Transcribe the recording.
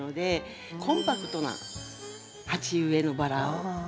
コンパクトな鉢植えのバラを。